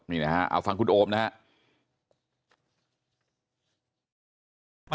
นี่นะฮะเอาฟังคุณโอมนะครับ